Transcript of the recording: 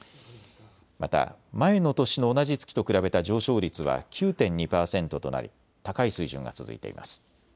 また前の年の同じ月と比べた上昇率は９．２％となり高い水準が続いています。